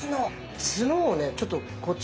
角をちょっとこっち